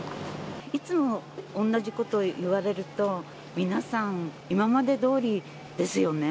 いつもおんなじことを言われると、皆さん、今までどおりですよね。